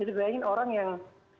jadi bayangin orang yang